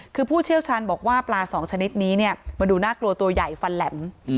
คือผู้เชี่ยวชาญบอกว่าปลาสองชนิดนี้เนี่ยมันดูน่ากลัวตัวใหญ่ฟันแหลม